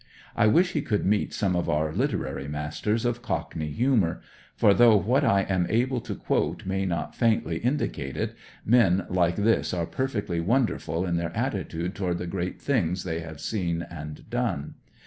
I wish he could meet some of our literary masters of Cockney humour, for, though what I am able to quote may but faintly indicate it, men hke this are perfectly wonderfiil in their attitude toward the great things they have seen and done.